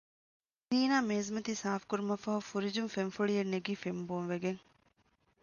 ޒީނާ މޭޒުމަތި ސާފުކުރުމަށްފަހު ފުރިޖުން ފެންފުޅިއެން ނެގީ ފެންބޯންވެގެން